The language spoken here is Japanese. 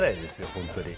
本当に。